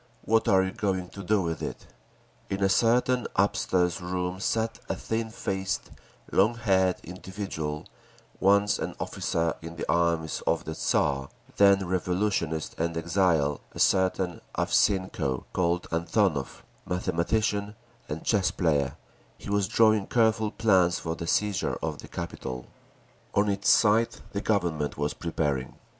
What are you going to do with it?'" In a certain upstairs room sat a thin faced, long haired individual, once an officer in the armies of the Tsar, then revolutionist and exile, a certain Avseenko, called Antonov, mathematician and chess player; he was drawing careful plans for the seizure of the capital. On its side the Government was preparing.